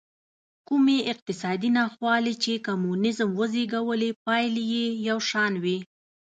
کومې اقتصادي ناخوالې چې کمونېزم وزېږولې پایلې یې یو شان وې.